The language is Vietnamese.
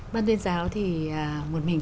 bán tuyên giáo thì một mình